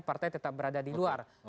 partai tetap berada di luar